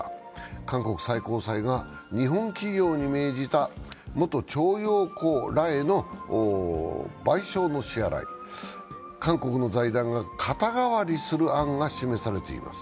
韓国最高裁が日本企業に命じた元徴用工らへの賠償の支払い、韓国の財団が肩代わりする案が示されています。